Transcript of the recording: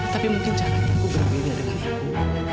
tapi mungkin caranya aku berbeda dengan dulu